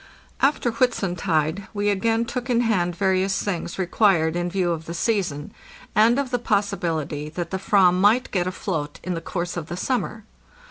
After Whitsuntide we again took in hand various things re quired in view of the season, and of the possibility that the /vam might get afloat in the course of the summer.